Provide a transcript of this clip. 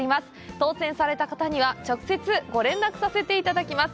当せんされた方には直接ご連絡させていただきます。